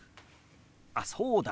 あっそうだ！